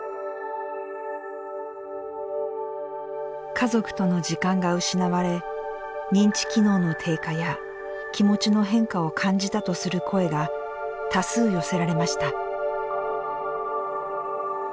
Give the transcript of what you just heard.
家族との時間が失われ認知機能の低下や気持ちの変化を感じたとする声が多数寄せられました。